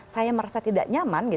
saya merasa tidak nyaman